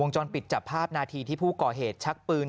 จรปิดจับภาพนาทีที่ผู้ก่อเหตุชักปืน